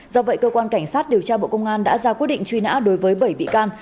do vậy cơ quan cảnh sát điều tra bộ công an đã ra quyết định truy nã đối với bảy bị can